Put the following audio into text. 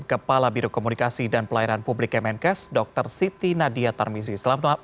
kepala biro komunikasi dan pelayanan publik kemenkes dr siti nadia tarmizi selamat malam dok